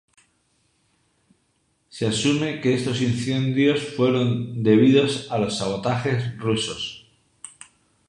Se asume que estos incendios fueron debidos a los sabotajes rusos.